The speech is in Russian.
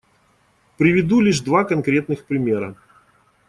Приведу лишь два конкретных примера.